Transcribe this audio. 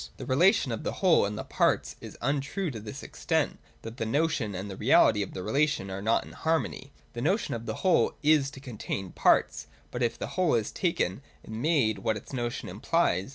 The relation of the whole and the parts is untrue to this extent, that the notion and the reality of the relation are not in harmony. The notion of the whole is to contain parts : but if the whole is taken and made what its notion implies